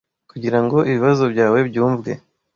Kugira ngo ibibazo byawe byumve.